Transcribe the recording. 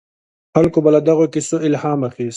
خلکو به له دغو کیسو الهام اخیست.